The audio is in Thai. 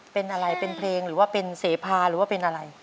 เป็นอะไรเป็นเพลงหรือว่าเป็นเสพาหรือว่าเป็นอะไร